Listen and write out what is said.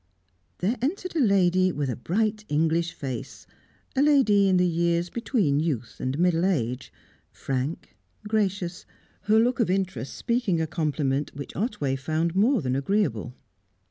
There entered a lady with a bright English face, a lady in the years between youth and middle age, frank, gracious, her look of interest speaking a compliment which Otway found more than agreeable.